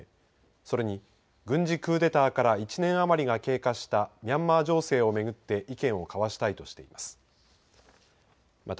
それに軍事クーデターから１年余りが経過したミャンマー情勢をめぐって意見を交わしたいとしています。